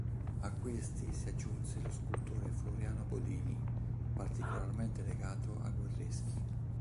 A questi si aggiunse lo scultore Floriano Bodini, particolarmente legato a Guerreschi.